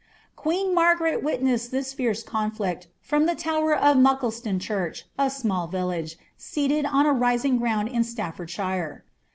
Queen Marguet witnessed this fierce conflict from the lower of Muc clesion Church, a small village, seated on a rising ground in Slairord* ahtre.